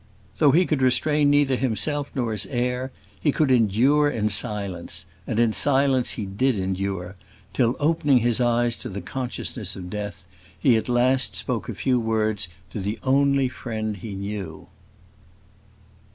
Though he could restrain neither himself nor his heir, he could endure in silence; and in silence he did endure, till, opening his eyes to the consciousness of death, he at last spoke a few words to the only friend he knew.